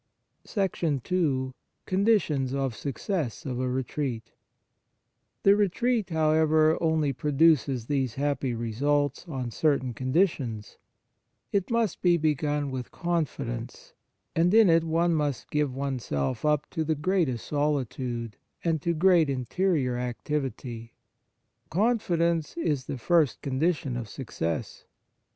138 Spiritual Retreats II Conditions of Success of a Retreat The retreat, however, only pro duces these happy results on certain conditions ; it must be begun with confidence, and in it one must give oneself up to the greatest solitude, and to great interior activity. Confidence is the first condition of success.